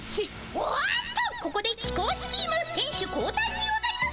おっとここで貴公子チームせん手交代にございます。